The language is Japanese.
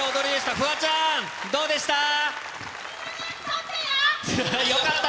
フワちゃん、どうでした？